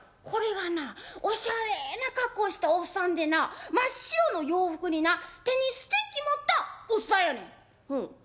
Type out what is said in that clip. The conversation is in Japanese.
「これがなおしゃれな格好したおっさんでな真っ白の洋服にな手にステッキ持ったおっさんやねん」。